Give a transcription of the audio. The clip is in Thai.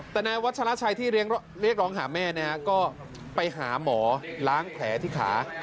แต่นายวัชราชัยที่เรียกร้องหาแม่ก็ไปหาหมอล้างแผลที่ขา